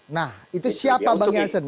nah itu siapa bang jansen